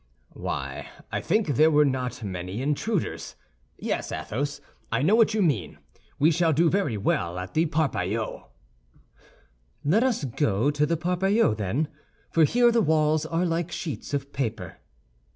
"Why, I think there were not many intruders. Yes, Athos, I know what you mean: we shall do very well at the Parpaillot." "Let us go to the Parpaillot, then, for here the walls are like sheets of paper."